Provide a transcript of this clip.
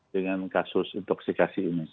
dengan kasus intoxikasi ini